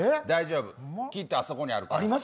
きっとあそこにあるから。